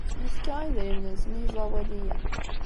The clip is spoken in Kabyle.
Yefka idrimen-nsen i yiẓawaliyen.